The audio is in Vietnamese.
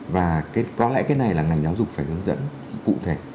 và có lẽ cái này là ngành giáo dục phải hướng dẫn cụ thể